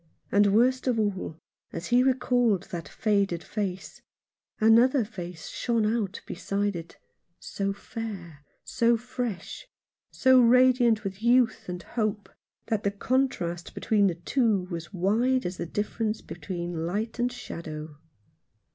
And, worst of all, as he recalled that faded face another face shone out beside it, so fair, so fresh, so radiant with youth and hope, that the contrast 52 Alone in London. between the two was wide as the difference between light and shadow.